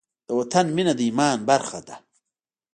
د وطن مینه د ایمان برخه ده.